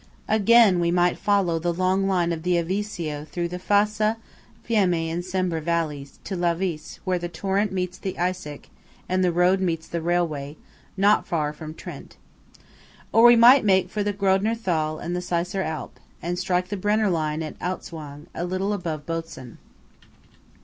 Again, we might follow the long line of the Avisio through the Fassa, Fiemme and Cembra valleys, to Lavis, where the torrent meets the Eisack and the road meets the railway, not far from Trent. Or we might make for the Grödner Thal and the Seisser Alp, and strike the Brenner line at Atzwang, a little above Botzen.